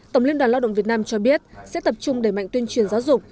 tổng liên đoàn lao động việt nam cho biết sẽ tập trung đẩy mạnh tuyên truyền giáo dục